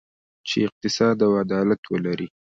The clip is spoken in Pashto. چې اقتصاد او عدالت ولري.